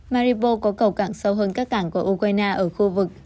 maripo có cầu cảng sâu hơn các cảng của ukraine ở khu vực